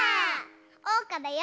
おうかだよ！